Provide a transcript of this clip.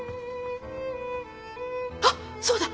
あっそうだ。